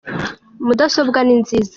mudasobwa ninziza